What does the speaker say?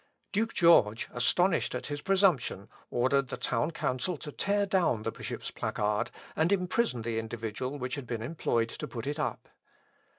Duke George, astonished at his presumption, ordered the town council to tear down the bishop's placard, and imprison the individual which had been employed to put it up.